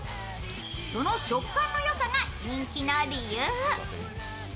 その食感の良さが人気の理由。